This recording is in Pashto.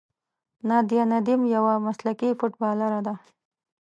نادیه ندیم یوه مسلکي فوټبالره ده.